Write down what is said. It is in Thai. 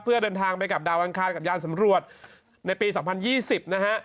เพื่อเดินทางไปกับดาวอังคารกับยานสำรวจในปี๒๐๒๐นะฮะ